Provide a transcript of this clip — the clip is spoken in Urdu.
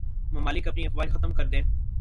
ممالک اپنی افواج ختم کر دیں